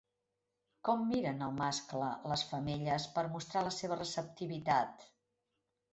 Com miren el mascle les femelles per mostrar la seva receptivitat?